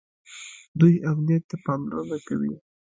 دوی امنیت ته پاملرنه کوي.